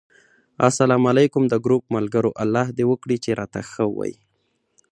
اسلام علیکم! د ګروپ ملګرو! الله دې وکړي چې راته ښه وی